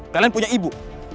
kalian punya ibu